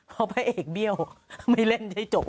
เพราะพระเอกเบี้ยวไม่เล่นได้จบ